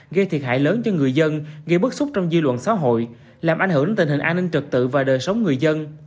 gây thiệt hại lớn cho người dân gây bức xúc trong dư luận xã hội làm ảnh hưởng đến tình hình an ninh trực tự và đời sống người dân